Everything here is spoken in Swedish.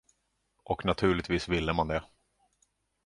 Och naturligtvis ville man det.